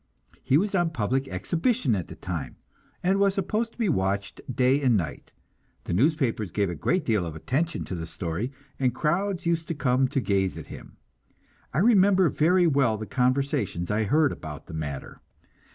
He was on public exhibition at the time, and was supposed to be watched day and night; the newspapers gave a great deal of attention to the story, and crowds used to come to gaze at him. I remember very well the conversations I heard about the matter.